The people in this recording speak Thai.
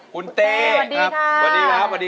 คุณเต้คุณเต้